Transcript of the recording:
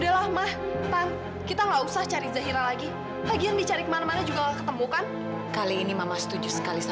sampai jumpa di video selanjutnya